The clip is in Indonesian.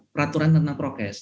peraturan tentang prokes